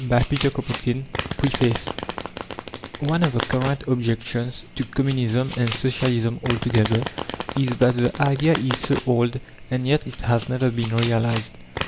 AGRICULTURE 191 NOTES 213 PREFACE One of the current objections to Communism, and Socialism altogether, is that the idea is so old, and yet it has never been realized.